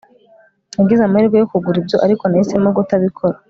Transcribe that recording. Nagize amahirwe yo kugura ibyo ariko nahisemo kutabikora